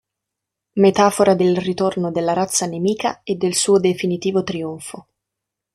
Metafora del ritorno della Razza Nemica e del suo definitivo trionfo.